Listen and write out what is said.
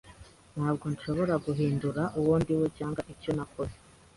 Ntabwo nshobora guhindura uwo ndiwe cyangwa icyo nakoze.